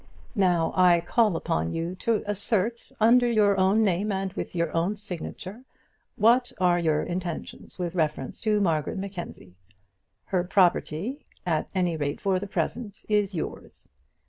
Now I call upon you to assert, under your own name and with your own signature, what are your intentions with reference to Margaret Mackenzie. Her property, at any rate for the present, is yours.